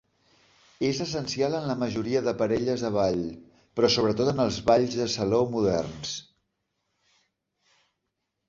És essencial en la majoria de parelles de ball, però sobretot en els balls de saló moderns.